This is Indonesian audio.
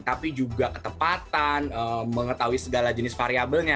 tapi juga ketepatan mengetahui segala jenis variabelnya